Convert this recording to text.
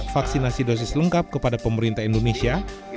vaksinasi dosis lengkap kepada pemerintah indonesia